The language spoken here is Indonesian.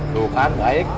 tuh kan baik